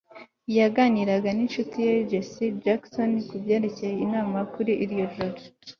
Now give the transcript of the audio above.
yaganiraga ninshuti ye jesse jackson kubyerekeye inama muri iryo joro